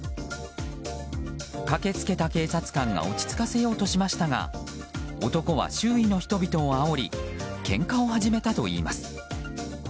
駆け付けた警察官が落ち着かせようとしましたが男は周囲の人々をあおりけんかを始めたといいます。